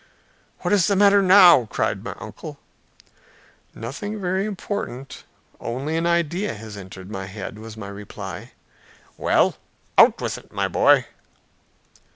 "What is the matter now?" cried my uncle. "Nothing very important, only an idea has entered my head," was my reply. "Well, out with it, My boy."